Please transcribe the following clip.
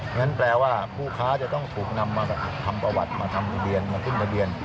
งั้นแปลว่าผู้ค้าจะต้องถูกนำมาทำประวัติมาทำทะเบียนมาขึ้นทะเบียน